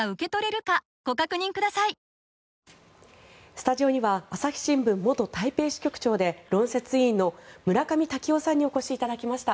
スタジオには朝日新聞元台北支局長で論説委員の村上太輝夫さんにお越しいただきました。